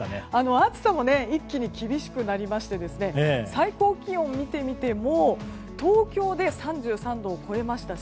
暑さも一気に厳しくなりまして最高気温を見ても東京で３３度を超えましたし